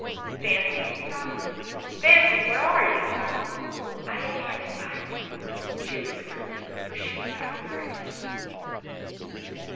"Fancy," he cried, "Fancy, where are you?" " I am here beside you," she whispered, for she was half afraid.